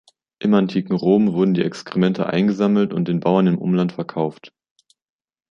Im antiken Rom wurden die Exkremente eingesammelt und den Bauern im Umland verkauft.